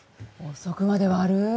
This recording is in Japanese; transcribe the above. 遅くまで悪い。